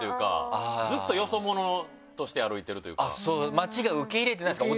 街が受け入れてないですか？